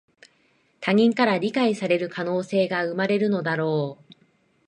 他人から理解される可能性が生まれるのだろう